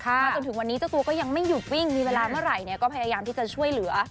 มาจนถึงวันนี้เจ้าตัวก็ยังไม่หยุดวิ่งมีเวลาเมื่อไหร่เนี่ยก็พยายามที่จะช่วยเหลือ